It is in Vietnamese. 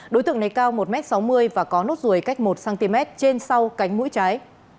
đối tượng này cao một m sáu mươi và có nốt ruồi cách một cm trên sau cánh mũi trái